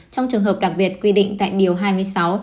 trong trường hợp đặc biệt quy định tại điều hai mươi sáu